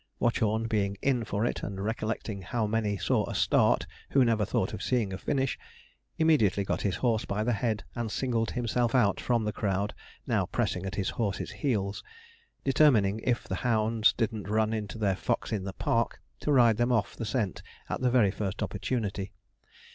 Watchorn being 'in' for it, and recollecting how many saw a start who never thought of seeing a finish, immediately got his horse by the head, and singled himself out from the crowd now pressing at his horse's heels, determining, if the hounds didn't run into their fox in the park, to ride them off the scent at the very first opportunity.